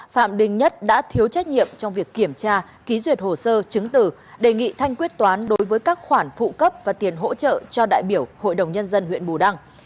phạm đình nhất đã thiếu trách nhiệm trong việc kiểm tra ký duyệt hồ sơ chứng tử đề nghị thanh quyết toán đối với các khoản phụ cấp và tiền hỗ trợ cho đại biểu hội đồng nhân dân huyện bù đăng